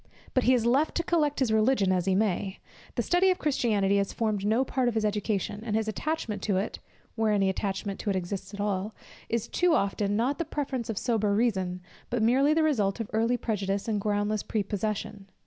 But he is left to collect his religion as he may; the study of Christianity has formed no part of his education, and his attachment to it (where any attachment to it exists at all) is, too often, not the preference of sober reason, but merely the result of early prejudice and groundless prepossession.